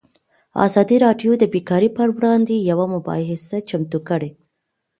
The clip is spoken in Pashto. ازادي راډیو د بیکاري پر وړاندې یوه مباحثه چمتو کړې.